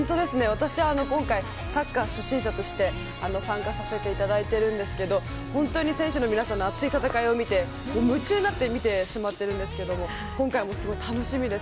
私、今回サッカー初心者として参加させていただいているんですけど本当に選手の皆さんの熱い戦いを見て夢中になって見てしまっているんですけど今回すごく楽しみです。